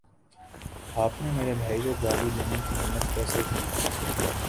آپ نے میرے بھائی کو گالی دینے کی ہمت کیسے کی